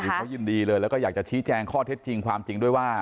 เขายินดีเลยแล้วก็อยากจะชี้แจงข้อเท็จจริงความจริงด้วยว่า